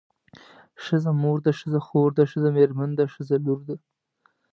ښځه مور ده ښځه خور ده ښځه مېرمن ده ښځه لور ده.